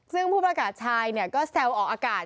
ซึ่งผู้ประกาศชายก็แซวออกอากาศ